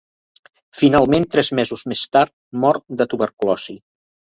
Finalment, tres mesos més tard, mor de tuberculosi.